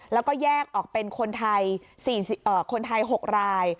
แล้วก็แยกออกเป็นคนไทยคนไทย๖ราย